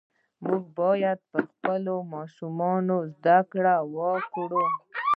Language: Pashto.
موږ باید پر خپلو ماشومانو زده کړه وکړو .